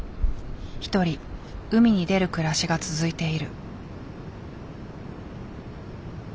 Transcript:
一人海に出る暮らしが続いている。